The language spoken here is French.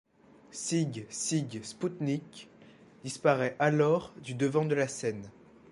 Sigue Sigue Sputnik disparaît alors du devant de la scène.